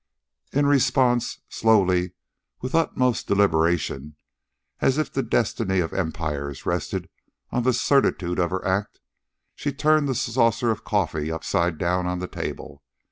In response, slowly, with utmost deliberation, as if the destiny of empires rested on the certitude of her act, she turned the saucer of coffee upside down on the table.